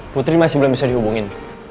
putri masih belum bisa dihubungin